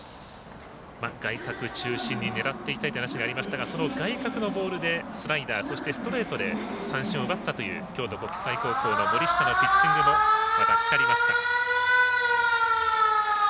外角中心に狙ってという話がありましたがその外角のボールでスライダー、そしてストレートで三振を奪ったという京都国際高校の森下のピッチングが光りました。